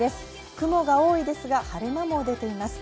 雲が多いですが、晴れ間も出ています。